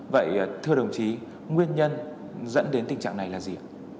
vậy thưa đồng chí nguyên nhân dẫn đến tình trạng này là gì